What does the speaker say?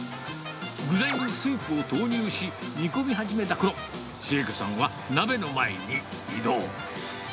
具材にスープを投入し、煮込み始めたころ、千恵子さんは鍋の前に移動。